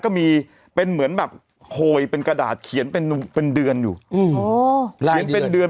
ก็มีเป็นเหมือนแบบโหยเป็นกระดาษเขียนเป็นเป็นเดือนอยู่เขียนเป็นเดือน